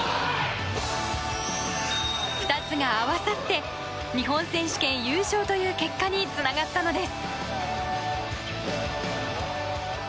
２つが合わさって日本選手権優勝という結果につながったのです。